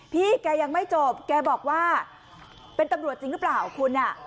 พี่แกยังไม่จบแกบอกว่าเป็นตำรวจจริงหรือเปล่าคุณอ่ะ